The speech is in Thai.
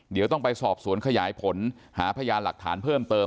เดี๋ยวต้องไปสอบสวนขยายผลหาพยานหลักฐานเพิ่มเติม